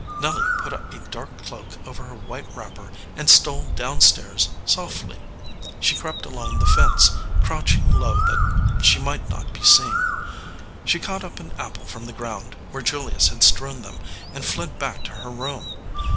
Nelly put a dark cloak over her white wrapper and stole down stairs softly. She crept along the fence, crouching low that she might not be seen. She caught up an apple from the ground, where Julius had strewn them, and fled back to her room.